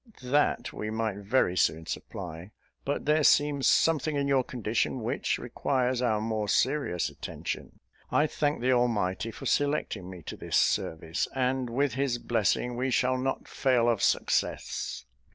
"That we might very soon supply; but there seems something in your condition which requires our more serious attention. I thank the Almighty for selecting me to this service; and, with his blessing, we shall not fail of success."